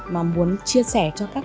mà muốn chia sẻ cho các khách